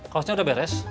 kaosnya udah beres